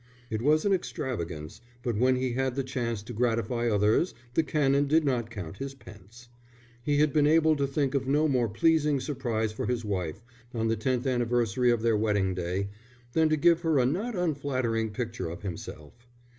It was an extravagance, but when he had the chance to gratify others the Canon did not count his pence. He had been able to think of no more pleasing surprise for his wife, on the tenth anniversary of their wedding day, than to give her a not unflattering picture of himself.